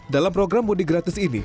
dalam program mudik gratis ini